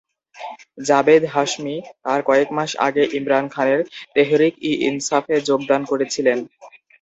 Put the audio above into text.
জাবেদ হাশমি তার কয়েক মাস আগে ইমরান খানের তেহরিক-ই-ইনসাফে যোগদান করেছিলেন।